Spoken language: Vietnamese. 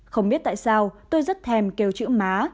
không biết tại sao tôi rất thèm kêu chữ má